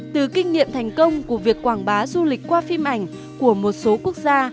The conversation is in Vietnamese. từ kinh nghiệm thành công của việc quảng bá du lịch qua phim ảnh của một số quốc gia